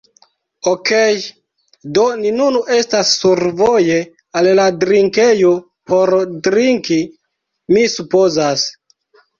Okej, do ni nun estas survoje al la drinkejo por drinki, mi supozas.